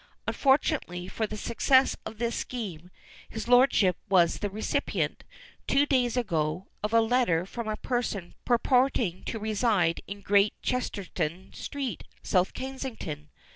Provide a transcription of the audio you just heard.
Unfortunately for the success of this scheme, his lordship was the recipient, two days ago, of a letter from a person purporting to reside in Great Chesterton Street, South Kensington.